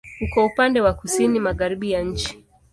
Uko upande wa kusini-magharibi ya nchi.